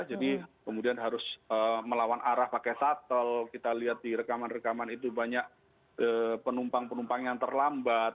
jadi kemudian harus melawan arah pakai satel kita lihat di rekaman rekaman itu banyak penumpang penumpang yang terlambat